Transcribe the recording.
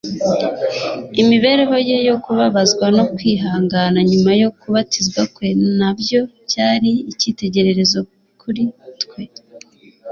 Imibereho ye yo kubabazwa no kwihangana nyuma yo kubatizwa kwe na byo byari icyitegererezo kuri twe